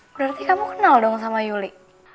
berarti kamu kenal dong sama yuli